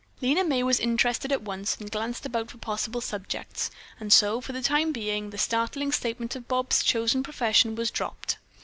Lena May was interested at once and glanced about for possible subjects, and so for the time being the startling statement of Bobs' chosen profession was dropped.